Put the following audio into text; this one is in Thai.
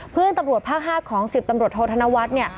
เพื่อนตำรวจภาคห้าของ๑๐ตำรวจโทษธนวัตน์